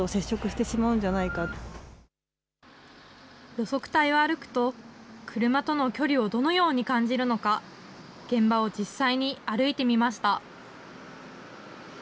路側帯を歩くと、車との距離をどのように感じるのか、現場を実際に歩いてみました。